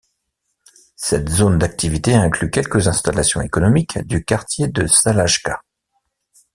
Cette zone d'activité inclut quelques installations économiques du quartier de Salajka.